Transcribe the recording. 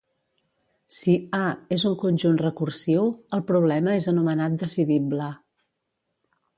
Si 'A'és un conjunt recursiu, el problema és anomenat decidible.